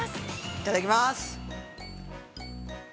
◆いただきます。